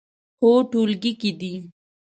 هو، ټولګي کې دی